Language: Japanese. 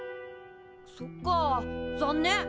そっか残念。